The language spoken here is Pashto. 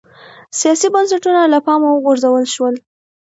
سیاسي بنسټونه له پامه وغورځول شول